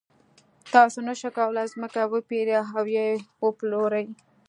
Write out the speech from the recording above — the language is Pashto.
تاسو نشئ کولای ځمکه وپېرئ او یا یې وپلورئ.